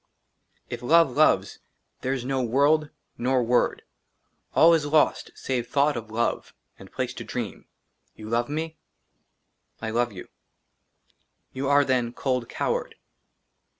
IF LOVE LOVES, THERE IS NO WORLD 42 i 1 NOR WORD. ALL IS LOST SAVE THOUGHT OF LOVE AND PLACE TO DREAM. YOU LOVE ME ? I LOVE YOU. YOU ARE, THEN, COLD COWARD.